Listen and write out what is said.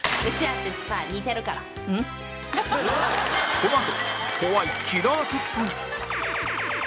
このあと怖いキラー徹子に